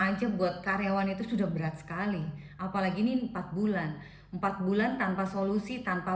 aja buat karyawan itu sudah berat sekali apalagi ini empat bulan empat bulan tanpa solusi tanpa